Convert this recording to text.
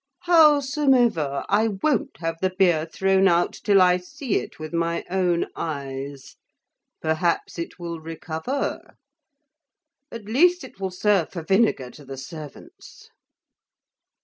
Howsomever, I won't have the beer thrown out, till I see it with my own eyes. Perhaps, it will recover At least it will serve for vinegar to the servants.